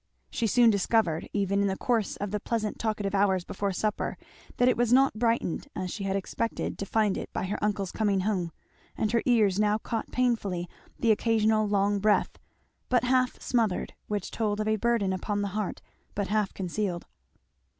She soon discovered, even in the course of the pleasant talkative hours before supper, that it was not brightened as she had expected to find it by her uncle's coming home; and her ears now caught painfully the occasional long breath, but half smothered, which told of a burden upon the heart but half concealed.